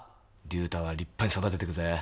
竜太は立派に育てていくぜ。